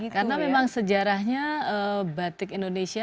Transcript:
karena memang sejarahnya batik indonesia